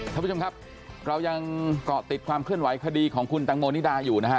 ท่านผู้ชมครับเรายังเกาะติดความเคลื่อนไหวคดีของคุณตังโมนิดาอยู่นะฮะ